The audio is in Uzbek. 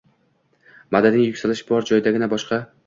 Madaniy yuksalish bor joydagina boshqa: